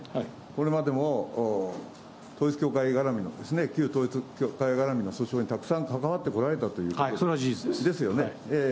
これまでも、統一教会絡みの、旧統一教会絡みの訴訟にたくさん関わってこられたという。ですよね。